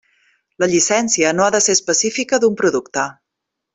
La llicència no ha de ser específica d'un producte.